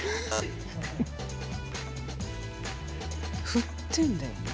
振ってんだよな。